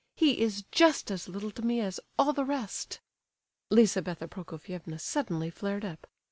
He is just as little to me as all the rest." Lizabetha Prokofievna suddenly flared up.